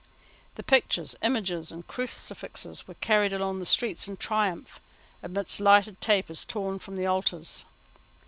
The pictures, images and crucifixes were carried along the streets in triumph, amidst lighted tapers torn from the altars.